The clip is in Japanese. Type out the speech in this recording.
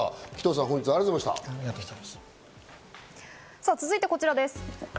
さぁ続いてこちらです。